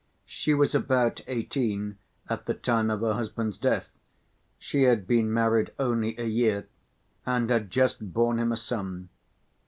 She was about eighteen at the time of her husband's death; she had been married only a year and had just borne him a son.